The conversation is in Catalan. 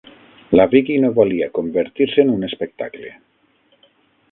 La Vicky no volia convertir-se en un espectacle.